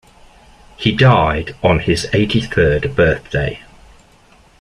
He died on his eighty-third birthday.